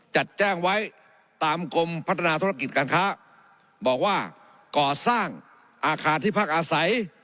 จัดแจ้งไว้ตามกรมพัฒนาธุรกิจการค้าบอกว่าก่อสร้างอาคารที่พักอาศัย